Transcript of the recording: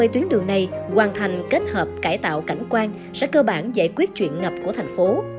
ba mươi tuyến đường này hoàn thành kết hợp cải tạo cảnh quan sẽ cơ bản giải quyết chuyện ngập của thành phố